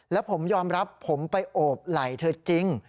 แล้วผมยอมรับผมไปโอบไหล่เธอจริง